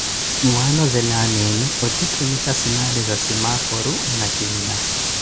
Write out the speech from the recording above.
N ́wanozele aana enu ottitthimisa sinali za simaforo na kiina.